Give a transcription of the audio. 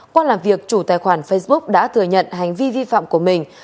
qua làm việc chủ tài khoản facebook đã thừa nhận hành vi vi phạm của mình